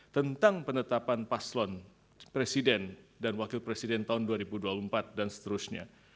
tentang penetapan paslon presiden dan wakil presiden tahun dua ribu dua puluh empat dan seterusnya